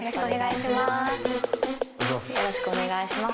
よろしくお願いします。